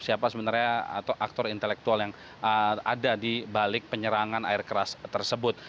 siapa sebenarnya atau aktor intelektual yang ada di balik penyerangan air keras tersebut